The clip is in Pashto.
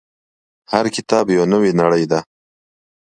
• هر کتاب یو نوی نړۍ ده.